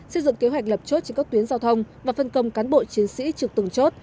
xây dựng kế hoạch lập chốt trên các tuyến giao thông và phân công cán bộ chiến sĩ trực từng chốt